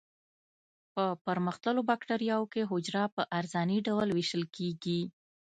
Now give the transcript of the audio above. په پرمختللو بکټریاوو کې حجره په عرضاني ډول ویشل کیږي.